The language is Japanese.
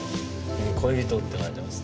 「恋人」って書いてますね。